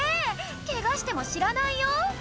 ケガしても知らないよ